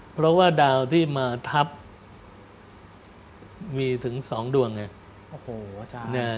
เพราะว่าดาวที่มาทับมีถึงสองดวงไง